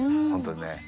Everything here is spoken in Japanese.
本当にね。